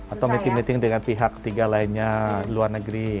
atau meeting meeting dengan pihak tiga lainnya luar negeri